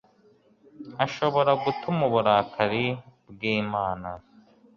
ashobora gutuma uburakari bw’Imana